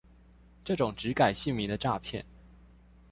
這種只改姓名的詐騙